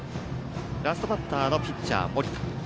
ラストバッターのピッチャー、盛田。